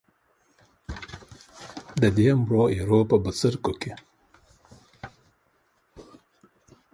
د دې مړو ایرو په بڅرکیو کې.